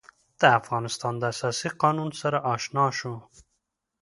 د افغانستان د اساسي قانون سره آشنا شو.